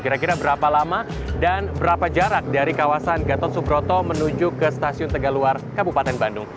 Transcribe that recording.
kira kira berapa lama dan berapa jarak dari kawasan gatot subroto menuju ke stasiun tegaluar kabupaten bandung